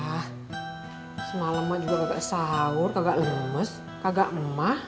ah semalam mah juga kagak saur kagak lumes kagak emah